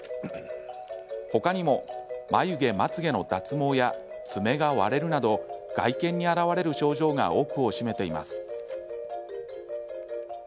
他にも、眉毛、まつげの脱毛や爪が割れるなど外見に現れる症状が多くを占めています。